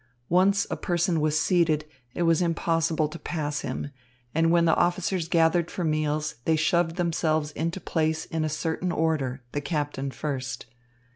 Once a person was seated, it was impossible to pass him; and when the officers gathered for meals, they shoved themselves into place in a certain order, the captain first.